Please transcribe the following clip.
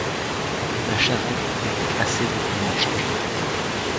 La charrette était assez lourdement chargée.